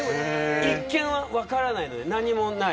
一見、分からないんで何もない。